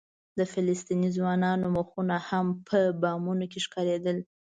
د فلسطیني ځوانانو مخونه هم په بامونو کې ښکارېدل.